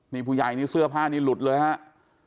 นี่ผู้ยายนี่เสื้อผ้านี่หลุดเลยนะฮะ